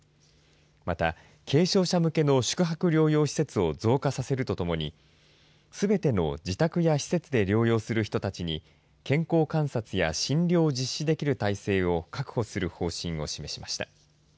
また軽症者向けの宿泊療養施設を増加させるとともにすべての自宅や施設で療養する人たちに健康観察や診療を実施できる体制を確保する方針を示しました。